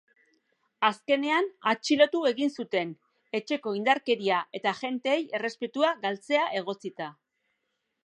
Azkenean, atxilotu egin zuten, etxeko indarkeria eta agenteei errespetua galtzea egotzita.